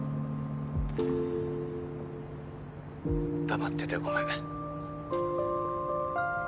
黙っててごめん。